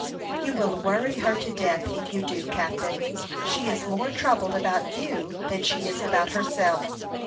"You will worry her to death, if you do, captain. She is more troubled about you than she is about herself.